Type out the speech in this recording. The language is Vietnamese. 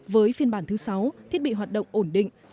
với phiên bản thứ sáu thiết bị hoạt động ổn định